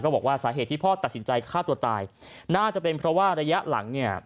ก็ตัดสินใจฆ่าตัวตายน่าจะเป็นเพราะว่าระยะหลังเนี่ย